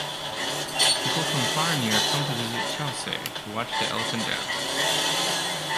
People from far and near come to visit Kyaukse and watch the elephant dance.